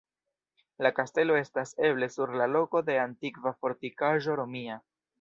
La kastelo estas eble sur la loko de antikva fortikaĵo romia.